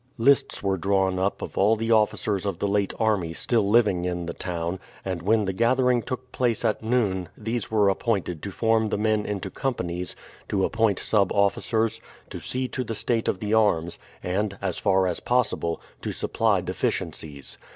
Lists were drawn up of all the officers of the late army still living in the town, and when the gathering took place at noon these were appointed to form the men into companies, to appoint sub officers, to see to the state of the arms, and, as far as possible, to supply deficiencies.